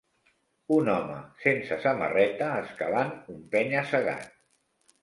un home sense samarreta escalant un penya-segat.